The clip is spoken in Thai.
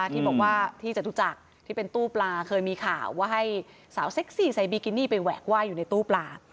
ที่บอกว่าที่จตุจักรที่เป็นตู้ปลาเคยมีข่าวว่าให้สาวเซ็กซี่ใส่บิกินี่ไปแหวกว่ายอยู่ในตู้ปลา